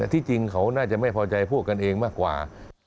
ที่จริงเขาน่าจะไม่พอใจพวกกันเองมากกว่า